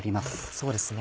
そうですね。